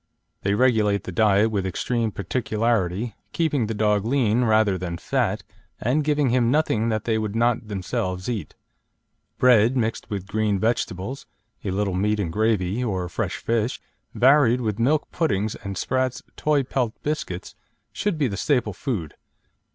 They regulate the diet with extreme particularity, keeping the dog lean rather than fat, and giving him nothing that they would not themselves eat. Bread, mixed with green vegetables, a little meat and gravy, or fresh fish, varied with milk puddings and Spratt's "Toy Pet" biscuits, should be the staple food.